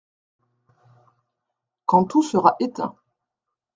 Quand tout sera éteint…